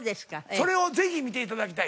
それをぜひ見て頂きたい。